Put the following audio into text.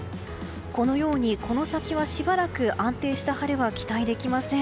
このように、この先はしばらく安定した晴れは期待できません。